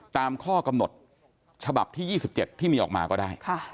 ตามข้อกำหนดฉบับที่๒๗ที่มีออกมาก็ได้